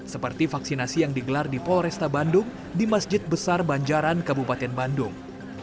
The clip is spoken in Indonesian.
seperti vaksinasi yang digelar di polresta bandung di masjid besar banjaran kabupaten bandung